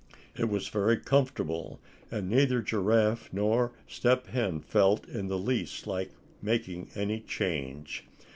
It was very comfortable, and neither Giraffe nor Step Hen felt in the least like making any change.